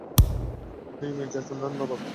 আপনিই, মির্জা চুন্নান নবাব?